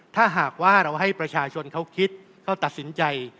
ถ้าหากว่าเราให้ประชาชนเขาคิดเขาตัดสินใจ